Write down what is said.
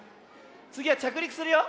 つぎはちゃくりくするよ。